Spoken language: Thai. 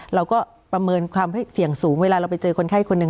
ประเมินความเสี่ยงสูงเวลาเราไปเจอคนไข้คนหนึ่ง